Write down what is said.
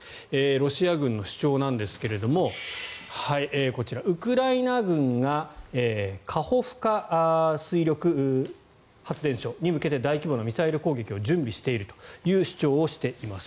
ロシア軍の主張ですがこちら、ウクライナ軍がカホフカ水力発電所に向けて大規模なミサイル攻撃を準備しているという主張をしています。